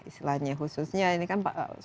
istilahnya khususnya ini kan